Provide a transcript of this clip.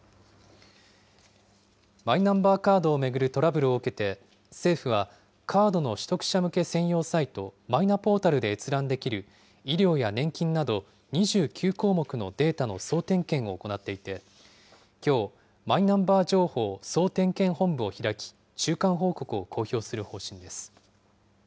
マイナンバーカードを巡るトラブルを受けて、政府は、カードの取得者向け専用サイト、マイナポータルで閲覧できる医療や年金など、２９項目のデータの総点検を行っていて、きょう、マイナンバー情報総点検本部を開き、中間報告を公表する方針です。